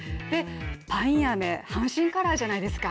パインアメ、阪神カラーじゃないですか。